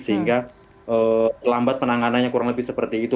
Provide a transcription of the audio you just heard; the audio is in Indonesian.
sehingga lambat penanganannya kurang lebih seperti itu